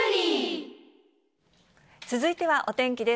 続いてはお天気です。